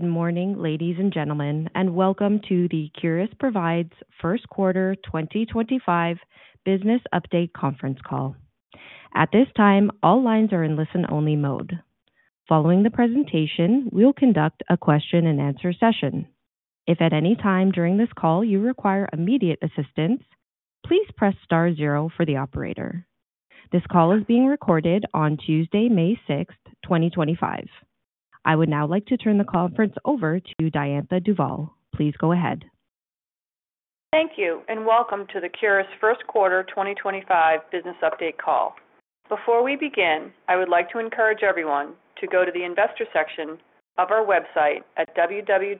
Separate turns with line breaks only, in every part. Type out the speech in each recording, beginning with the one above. Good morning, ladies and gentlemen, and welcome to the Curis Provides first quarter 2025 business update conference call. At this time, all lines are in listen-only mode. Following the presentation, we'll conduct a question-and-answer session. If at any time during this call you require immediate assistance, please press star zero for the operator. This call is being recorded on Tuesday, May 6th, 2025. I would now like to turn the conference over to Diantha Duvall. Please go ahead.
Thank you, and welcome to the Curis first quarter 2025 business update call. Before we begin, I would like to encourage everyone to go to the investor section of our website at www.curis.com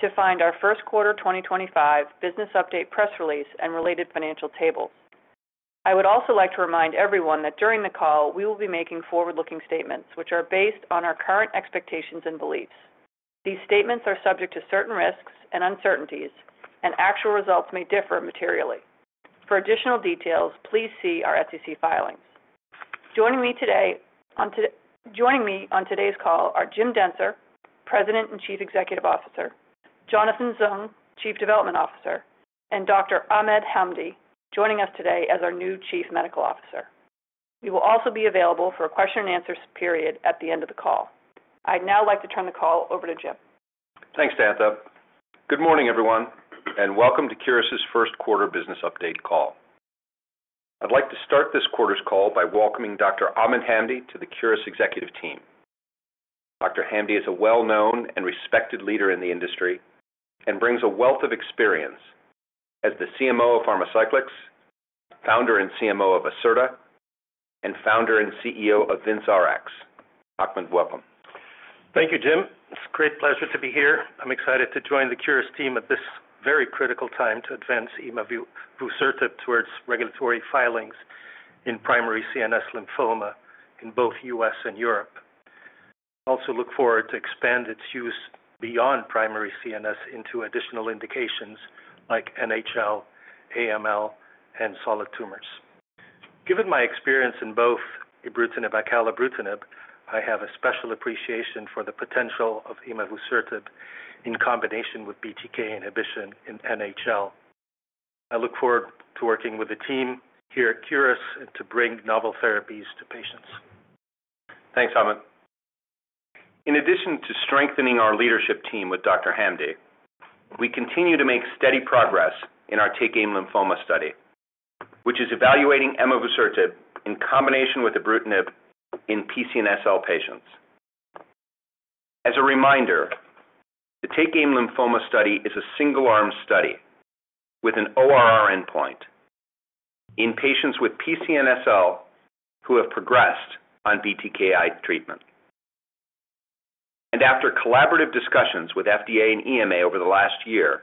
to find our first quarter 2025 business update press release and related financial tables. I would also like to remind everyone that during the call, we will be making forward-looking statements which are based on our current expectations and beliefs. These statements are subject to certain risks and uncertainties, and actual results may differ materially. For additional details, please see our SEC filings. Joining me today on today's call are Jim Dentzer, President and Chief Executive Officer, Jonathan Zung, Chief Development Officer, and Dr. Ahmed Hamdy, joining us today as our new Chief Medical Officer. We will also be available for a question-and-answer period at the end of the call. I'd now like to turn the call over to Jim.
Thanks, Diantha. Good morning, everyone, and welcome to Curis' first quarter business update call. I'd like to start this quarter's call by welcoming Dr. Ahmed Hamdy to the Curis executive team. Dr. Hamdy is a well-known and respected leader in the industry and brings a wealth of experience as the CMO of Pharmacyclics, Founder and CMO of Ascerta, and Founder and CEO of Vincerx Pharma. Ahmed, welcome.
Thank you, Jim. It's a great pleasure to be here. I'm excited to join the Curis team at this very critical time to advance emavusertib towards regulatory filings in primary CNS lymphoma in both the U.S. and Europe. I also look forward to expanding its use beyond primary CNS into additional indications like NHL, AML, and solid tumors. Given my experience in both ibrutinib and acalabrutinib, I have a special appreciation for the potential of emavusertib in combination with BTK inhibition in NHL. I look forward to working with the team here at Curis and to bring novel therapies to patients.
Thanks, Ahmed. In addition to strengthening our leadership team with Dr. Hamdy, we continue to make steady progress in our TakeAim Lymphoma Study, which is evaluating emavusertib in combination with ibrutinib in PCNSL patients. As a reminder, the TakeAim Lymphoma study is a single-arm study with an ORR endpoint in patients with PCNSL who have progressed on BTKI treatment. After collaborative discussions with FDA and EMA over the last year,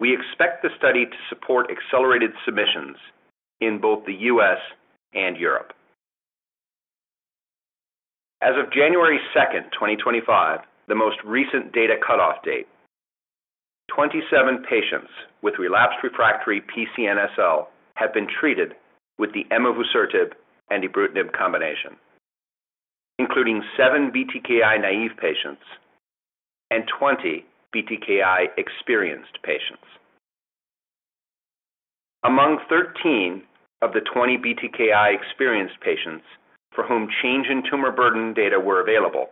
we expect the study to support accelerated submissions in both the U.S. and Europe. As of January 2nd, 2025, the most recent data cutoff date, 27 patients with relapsed refractory PCNSL have been treated with the emavusertib and ibrutinib combination, including seven BTKI naive patients and 20 BTKI experienced patients. Among 13 of the 20 BTKI-experienced patients for whom change in tumor burden data were available,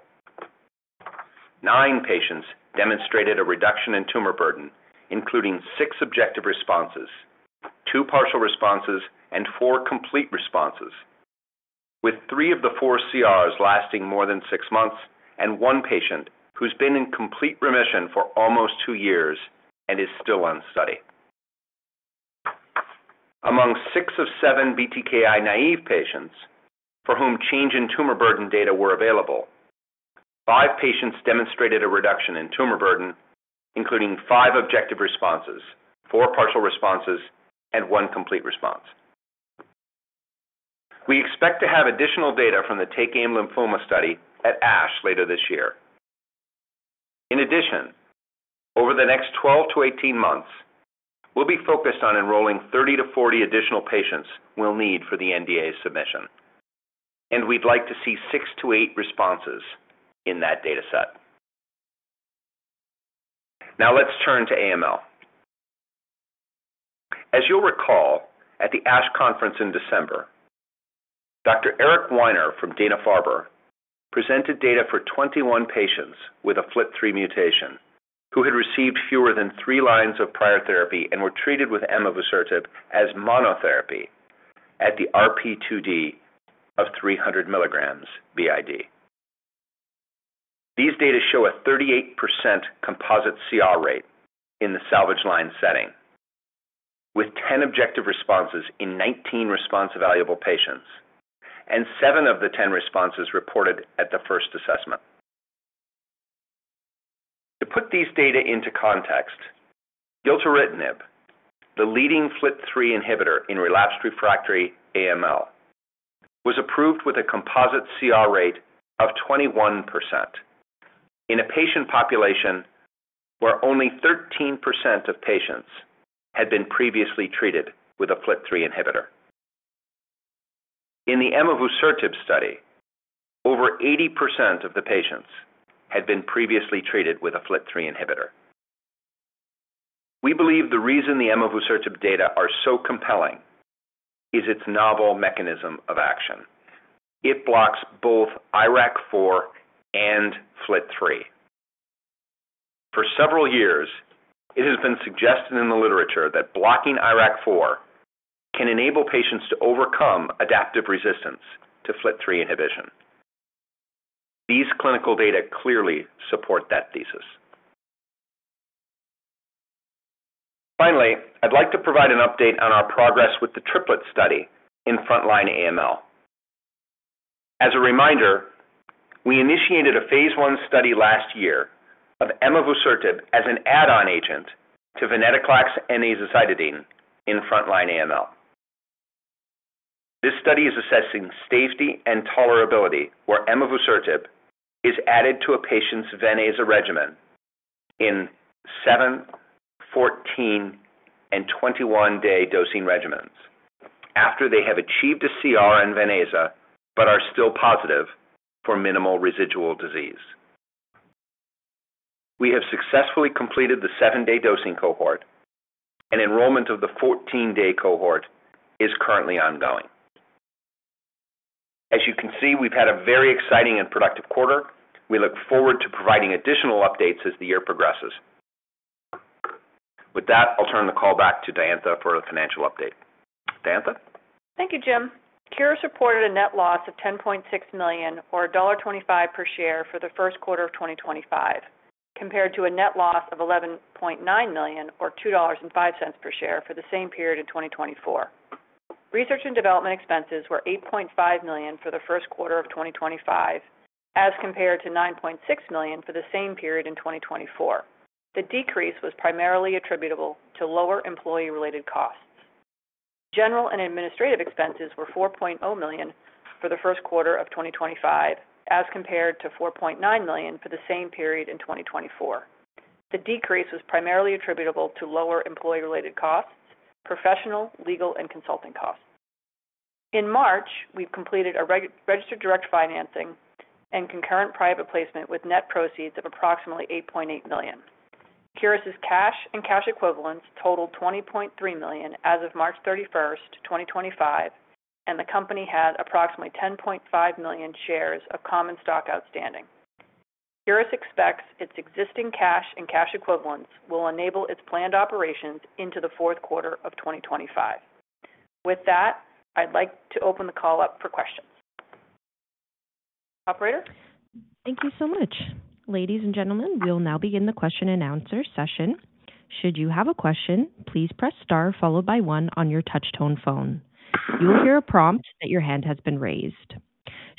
nine patients demonstrated a reduction in tumor burden, including six subjective responses, two partial responses, and four complete responses, with three of the four CRs lasting more than six months and one patient who's been in complete remission for almost two years and is still on study. Among six of seven BTKI-naive patients for whom change in tumor burden data were available, five patients demonstrated a reduction in tumor burden, including five objective responses, four partial responses, and one complete response. We expect to have additional data from the TakeAim Lymphoma Study at ASH later this year. In addition, over the next 12-18 months, we'll be focused on enrolling 30-40 additional patients we'll need for the NDA submission, and we'd like to see six to eight responses in that data set. Now let's turn to AML. As you'll recall, at the ASH conference in December, Dr. Eric Weiner from Dana-Farber presented data for 21 patients with a FLT3 mutation who had received fewer than 3 lines of prior therapy and were treated with emavusertib as monotherapy at the RP2D of 300 mg b.i.d. These data show a 38% composite CR rate in the salvage line setting, with 10 objective responses in 19 response-available patients and seven of the 10 responses reported at the first assessment. To put these data into context, gilteritinib, the leading FLT3 inhibitor in relapsed/refractory AML, was approved with a composite CR rate of 21% in a patient population where only 13% of patients had been previously treated with a FLT3 inhibitor. In the emavusertib study, over 80% of the patients had been previously treated with a FLT3 inhibitor. We believe the reason the emavusertib data are so compelling is its novel mechanism of action. It blocks both IRAK4 and FLT3. For several years, it has been suggested in the literature that blocking IRAK4 can enable patients to overcome adaptive resistance to FLT3 inhibition. These clinical data clearly support that thesis. Finally, I'd like to provide an update on our progress with the triplet study in frontline AML. As a reminder, we initiated a phase I study last year of emavusertib as an add-on agent to venetoclax and azacitidine in frontline AML. This study is assessing safety and tolerability where emavusertib is added to a patient's ven/aza regimen in seven, 14, and 21-day dosing regimens after they have achieved a CR in ven/aza but are still positive for minimal residual disease. We have successfully completed the seven-day dosing cohort, and enrollment of the 14-day cohort is currently ongoing. As you can see, we've had a very exciting and productive quarter. We look forward to providing additional updates as the year progresses. With that, I'll turn the call back to Diantha for a financial update. Diantha?
Thank you, Jim. Curis reported a net loss of $10.6 million, or $1.25 per share, for the first quarter of 2025, compared to a net loss of $11.9 million, or $2.05 per share, for the same period in 2024. Research and development expenses were $8.5 million for the first quarter of 2025, as compared to $9.6 million for the same period in 2024. The decrease was primarily attributable to lower employee-related costs. General and administrative expenses were $4.0 million for the first quarter of 2025, as compared to $4.9 million for the same period in 2024. The decrease was primarily attributable to lower employee-related costs, professional, legal, and consulting costs. In March, we've completed a registered direct financing and concurrent private placement with net proceeds of approximately $8.8 million. Curis' cash and cash equivalents totaled $20.3 million as of March 31st, 2025, and the company has approximately 10.5 million shares of common stock outstanding. Curis expects its existing cash and cash equivalents will enable its planned operations into the fourth quarter of 2025. With that, I'd like to open the call up for questions. Operator?
Thank you so much. Ladies and gentlemen, we'll now begin the question-and-answer session. Should you have a question, please press star followed by one on your touch-tone phone. You'll hear a prompt that your hand has been raised.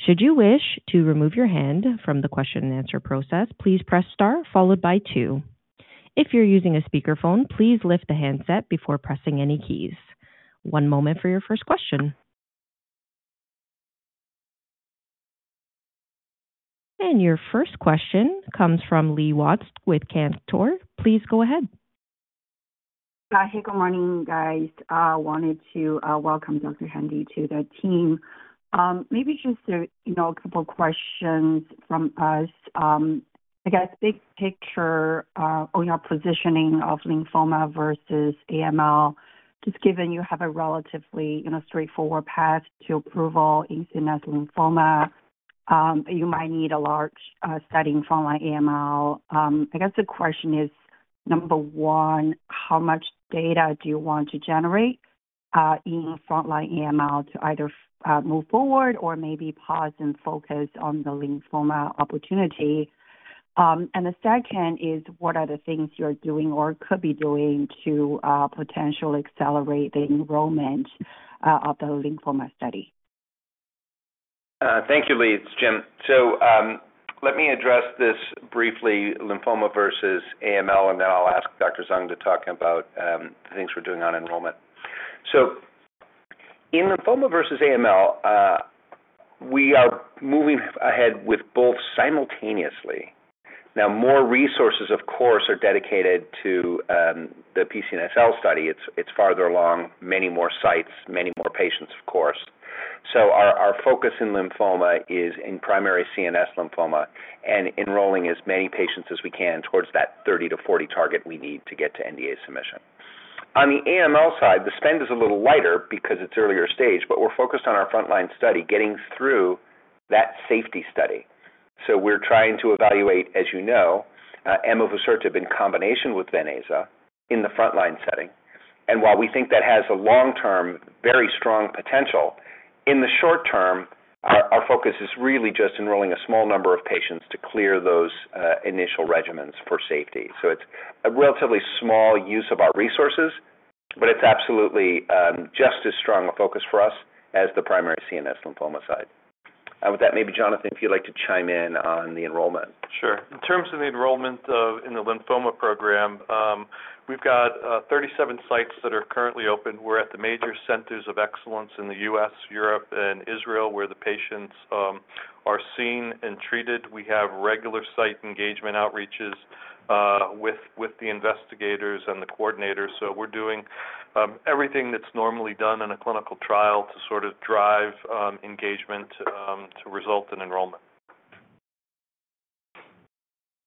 Should you wish to remove your hand from the question-and-answer process, please press star followed by two. If you're using a speakerphone, please lift the handset before pressing any keys. One moment for your first question. Your first question comes from Li Watsek with Cantor. Please go ahead.
Hi, good morning, guys. I wanted to welcome Dr. Hamdy to the team. Maybe just a couple of questions from us. I guess big picture on your positioning of lymphoma versus AML, just given you have a relatively straightforward path to approval in CNS lymphoma, you might need a large study in frontline AML. I guess the question is, number one, how much data do you want to generate in frontline AML to either move forward or maybe pause and focus on the lymphoma opportunity? The second is, what are the things you're doing or could be doing to potentially accelerate the enrollment of the lymphoma study?
Thank you, Li. It's Jim. Let me address this briefly, lymphoma versus AML, and then I'll ask Dr. Zung to talk about the things we're doing on enrollment. In lymphoma versus AML, we are moving ahead with both simultaneously. Now, more resources, of course, are dedicated to the PCNSL study. It's farther along, many more sites, many more patients, of course. Our focus in lymphoma is in primary CNS lymphoma and enrolling as many patients as we can towards that 30-40 target we need to get to NDA submission. On the AML side, the spend is a little lighter because it's earlier stage, but we're focused on our frontline study getting through that safety study. We're trying to evaluate, as you know, emavusertib in combination with venetoclax in the frontline setting. While we think that has a long-term very strong potential, in the short term, our focus is really just enrolling a small number of patients to clear those initial regimens for safety. It is a relatively small use of our resources, but it is absolutely just as strong a focus for us as the primary CNS lymphoma side. With that, maybe Jonathan, if you'd like to chime in on the enrollment.
Sure. In terms of the enrollment in the lymphoma program, we've got 37 sites that are currently open. We're at the major centers of excellence in the U.S., Europe, and Israel where the patients are seen and treated. We have regular site engagement outreaches with the investigators and the coordinators. We're doing everything that's normally done in a clinical trial to sort of drive engagement to result in enrollment.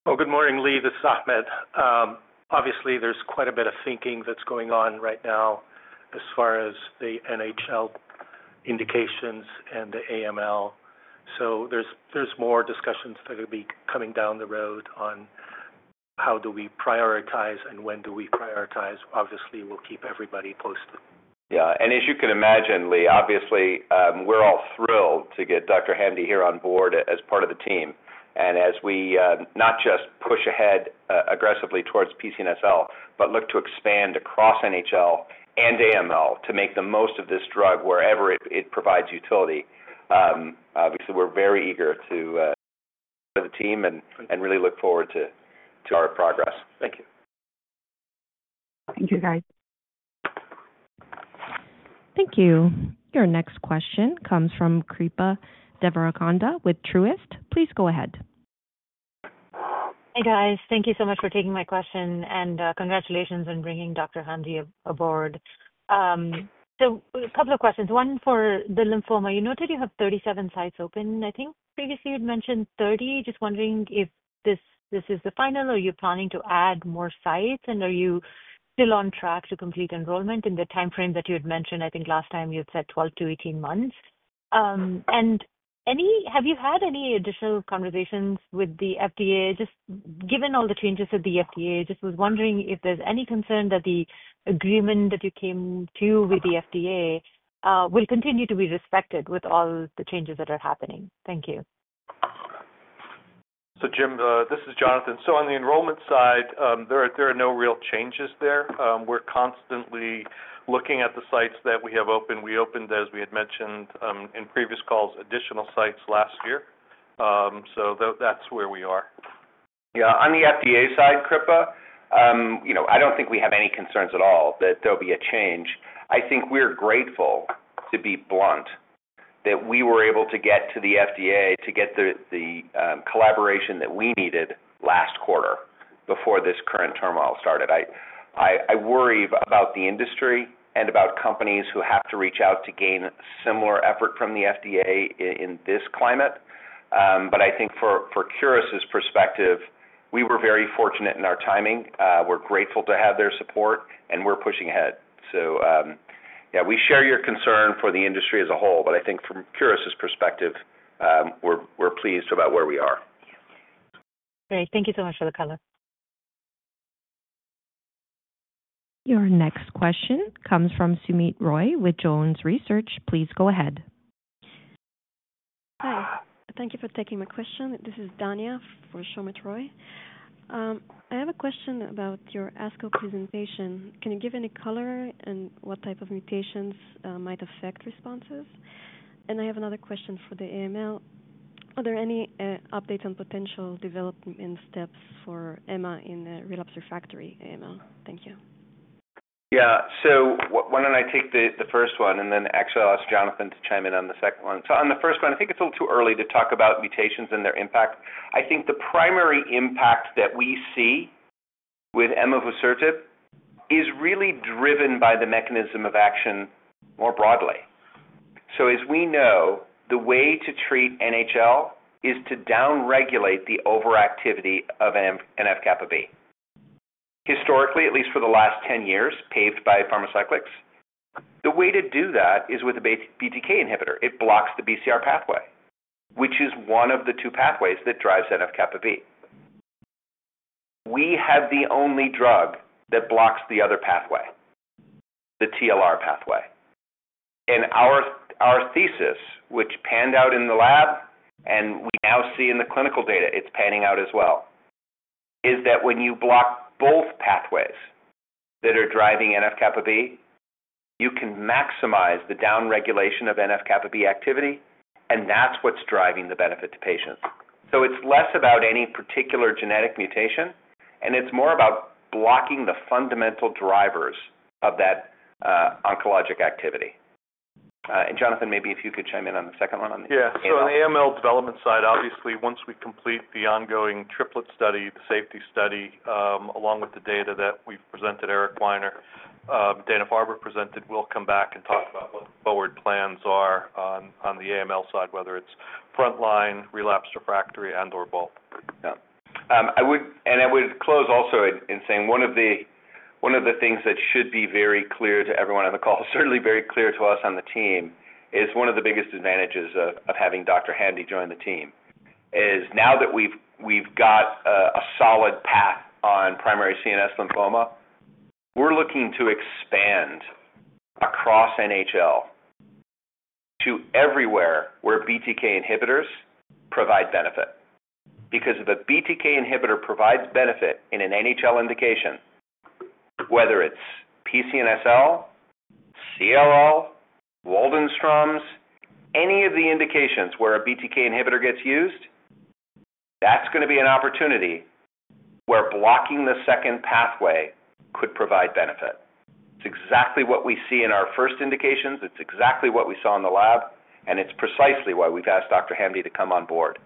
Good morning, Li. This is Ahmed. Obviously, there's quite a bit of thinking that's going on right now as far as the NHL indications and the AML. There's more discussions that will be coming down the road on how do we prioritize and when do we prioritize. Obviously, we'll keep everybody posted.
Yeah. As you can imagine, Li, obviously, we're all thrilled to get Dr. Hamdy here on board as part of the team. As we not just push ahead aggressively towards PCNSL, but look to expand across NHL and AML to make the most of this drug wherever it provides utility, obviously, we're very eager to join the team and really look forward to our progress. Thank you.
Thank you, guys.
Thank you. Your next question comes from Kripa Devarakonda with Truist. Please go ahead.
Hey, guys. Thank you so much for taking my question, and congratulations on bringing Dr. Hamdy aboard. A couple of questions. One for the lymphoma. You noted you have 37 sites open. I think previously you'd mentioned 30. Just wondering if this is the final or you're planning to add more sites, and are you still on track to complete enrollment in the time frame that you had mentioned? I think last time you had said 12-18 months. Have you had any additional conversations with the FDA? Just given all the changes at the FDA, just was wondering if there's any concern that the agreement that you came to with the FDA will continue to be respected with all the changes that are happening. Thank you.
Jim, this is Jonathan. On the enrollment side, there are no real changes there. We're constantly looking at the sites that we have open. We opened, as we had mentioned in previous calls, additional sites last year. That's where we are.
Yeah. On the FDA side, Kripa, I do not think we have any concerns at all that there will be a change. I think we are grateful, to be blunt, that we were able to get to the FDA to get the collaboration that we needed last quarter before this current turmoil started. I worry about the industry and about companies who have to reach out to gain similar effort from the FDA in this climate. I think for Curis' perspective, we were very fortunate in our timing. We are grateful to have their support, and we are pushing ahead. Yeah, we share your concern for the industry as a whole, but I think from Curis' perspective, we are pleased about where we are.
Great. Thank you so much for the color.
Your next question comes from Soumit Roy with Jones Research. Please go ahead.
Hi. Thank you for taking my question. This is Danya from Soumit Roy. I have a question about your ASCO presentation. Can you give any color on what type of mutations might affect responses? I have another question for the AML. Are there any updates on potential development steps for AML in the relapsed refractory AML? Thank you.
Yeah. So why don't I take the first one, and then actually I'll ask Jonathan to chime in on the second one. On the first one, I think it's a little too early to talk about mutations and their impact. I think the primary impact that we see with emavusertib is really driven by the mechanism of action more broadly. As we know, the way to treat NHL is to downregulate the overactivity of NF-kappa B. Historically, at least for the last 10 years, paved by pharmaceuticals, the way to do that is with a BTK inhibitor. It blocks the BCR pathway, which is one of the two pathways that drives NF-kappa B. We have the only drug that blocks the other pathway, the TLR pathway. Our thesis, which panned out in the lab, and we now see in the clinical data it's panning out as well, is that when you block both pathways that are driving NF-kappa B, you can maximize the downregulation of NF-kappa B activity, and that's what's driving the benefit to patients. It is less about any particular genetic mutation, and it is more about blocking the fundamental drivers of that oncologic activity. Jonathan, maybe if you could chime in on the second one on the AML.
Yeah. On the AML development side, obviously, once we complete the ongoing triplet study, the safety study, along with the data that we've presented, Eric Weiner, Dana-Farber presented, we'll come back and talk about what forward plans are on the AML side, whether it's frontline, relapsed refractory, and/or both.
Yeah. I would close also in saying one of the things that should be very clear to everyone on the call, certainly very clear to us on the team, is one of the biggest advantages of having Dr. Hamdy join the team is now that we've got a solid path on primary CNS lymphoma, we're looking to expand across NHL to everywhere where BTK inhibitors provide benefit. Because if a BTK inhibitor provides benefit in an NHL indication, whether it's PCNSL, CLL, Waldenstrom's, any of the indications where a BTK inhibitor gets used, that's going to be an opportunity where blocking the second pathway could provide benefit. It's exactly what we see in our first indications. It's exactly what we saw in the lab, and it's precisely why we've asked Dr. Hamdy to come on board.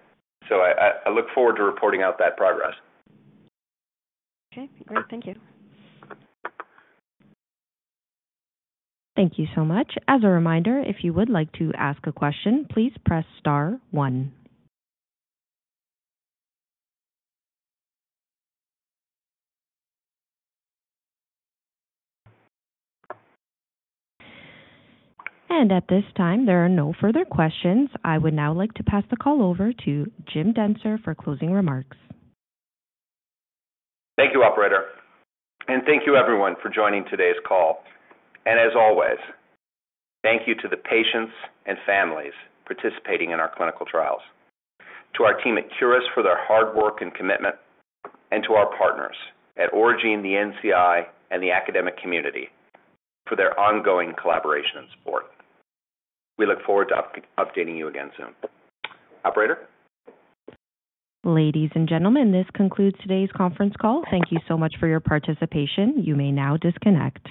I look forward to reporting out that progress.
Okay. Great. Thank you.
Thank you so much. As a reminder, if you would like to ask a question, please press star one. At this time, there are no further questions. I would now like to pass the call over to Jim Dentzer for closing remarks.
Thank you, operator. Thank you, everyone, for joining today's call. As always, thank you to the patients and families participating in our clinical trials, to our team at Curis for their hard work and commitment, and to our partners at Origin, the NCI, and the academic community for their ongoing collaboration and support. We look forward to updating you again soon. Operator.
Ladies and gentlemen, this concludes today's conference call. Thank you so much for your participation. You may now disconnect.